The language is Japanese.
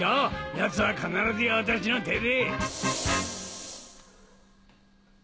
ヤツは必ずや私の手で。